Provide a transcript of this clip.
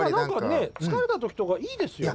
疲れた時とかいいですよね。